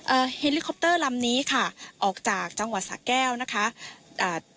เฮลิคอปเตอร์ลำนี้ค่ะออกจากจังหวัดสะแก้วนะคะอ่า